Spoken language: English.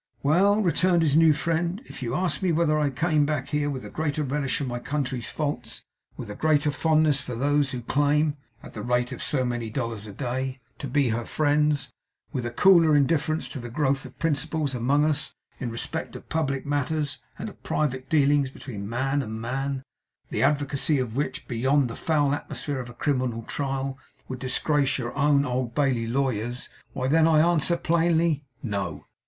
'Well,' returned his new friend, 'if you ask me whether I came back here with a greater relish for my country's faults; with a greater fondness for those who claim (at the rate of so many dollars a day) to be her friends; with a cooler indifference to the growth of principles among us in respect of public matters and of private dealings between man and man, the advocacy of which, beyond the foul atmosphere of a criminal trial, would disgrace your own old Bailey lawyers; why, then I answer plainly, No.